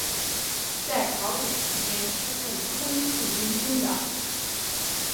在朝鲜期间升任空四军军长。